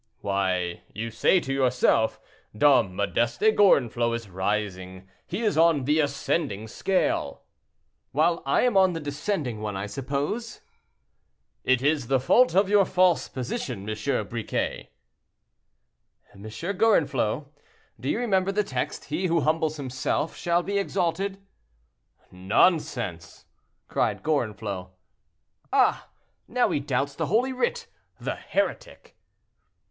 "Why, you say to yourself, Dom Modeste Gorenflot is rising—he is on the ascending scale." "While I am on the descending one, I suppose?" "It is the fault of your false position, M. Briquet." "M. Gorenflot, do you remember the text, 'He who humbles himself, shall be exalted?'" "Nonsense!" cried Gorenflot. "Ah! now he doubts the Holy Writ; the heretic!"